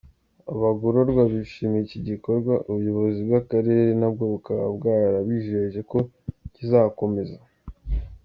Abagororwa bishimiye iki gikorwa, ubuyobozi bw’Akarere na bwo bukaba bwarabijeje ko kizakomeza.